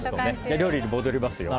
料理に戻りますよ。